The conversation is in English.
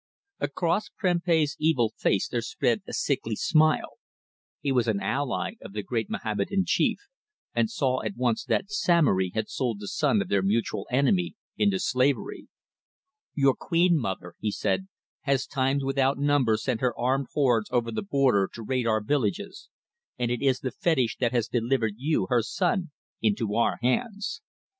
Across Prempeh's evil face there spread a sickly smile. He was an ally of the great Mohammedan chief, and saw at once that Samory had sold the son of their mutual enemy into slavery. "Your queen mother," he said, "has times without number sent her armed hordes over the border to raid our villages, and it is the fetish that has delivered you, her son, into our hands.